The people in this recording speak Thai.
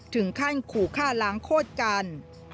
ถึงขั้นขู่ฆ่าล้างโคตรกัน